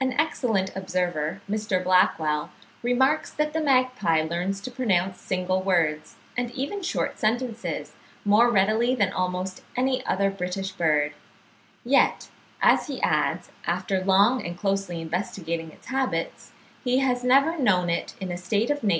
An excellent observer, Mr. Blackwall, remarks that the magpie learns to pronounce single words, and even short sentences, more readily than almost any other British bird; yet, as he adds, after long and closely investigating its habits, he has never known it, in a state of nature, display any unusual capacity for imitation.